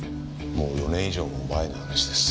もう４年以上も前の話です。